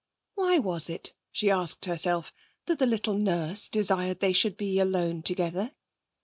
Why was it, she asked herself, that the little nurse desired they should be alone together?